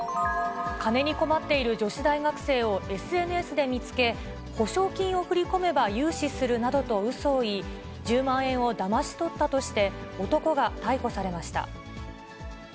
金に困っている女子大学生をＳＮＳで見つけ、保証金を振り込めば融資するなどとうそを言い、１０万円をだまし取ったとして、男が逮捕されました。